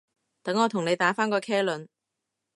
等我同你打返個茄輪